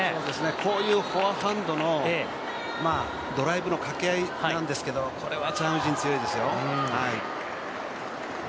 こういうフォアハンドのドライブのかけ合いなんですけどこれはチャン・ウジン強いですよ。